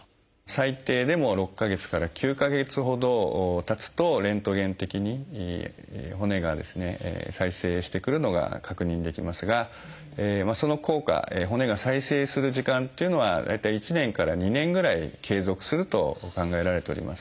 最低でも６か月から９か月ほどたつとレントゲン的に骨がですね再生してくるのが確認できますがその効果骨が再生する時間っていうのは大体１年から２年ぐらい継続すると考えられております。